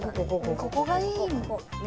ここがいいね。